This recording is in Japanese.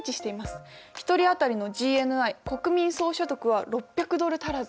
１人当たりのＧＮＩ国民総所得は６００ドル足らず。